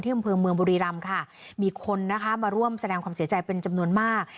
อำเภอเมืองบุรีรำค่ะมีคนนะคะมาร่วมแสดงความเสียใจเป็นจำนวนมาก